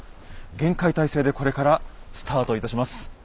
厳戒態勢でこれからスタートいたします。